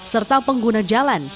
serta pengguna jalan